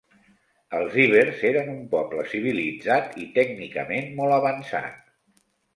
Els ibers eren un poble civilitzat i tècnicament molt avançat.